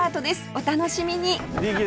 お楽しみに！